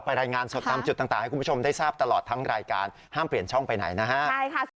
รายงานสดตามจุดต่างให้คุณผู้ชมได้ทราบตลอดทั้งรายการห้ามเปลี่ยนช่องไปไหนนะฮะ